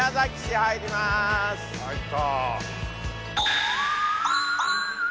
入った。